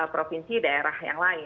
provinsi daerah yang lain